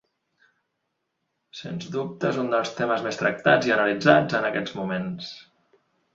Sense dubte és un dels temes més tractats i analitzats en aquests moments.